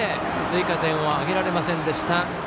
追加点を挙げられませんでした。